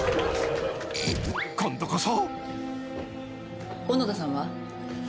［今度こそ］